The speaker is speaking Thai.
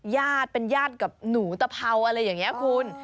ญาติเป็นญาติกับหนูตะเพราอะไรอย่างนี้คุณ